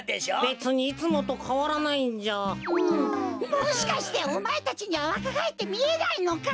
もしかしておまえたちにはわかがえってみえないのか？